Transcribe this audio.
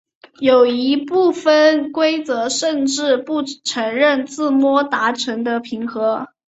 有一部分规则甚至不承认自摸达成的平和。